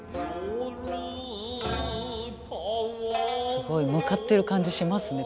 すごい向かってる感じしますね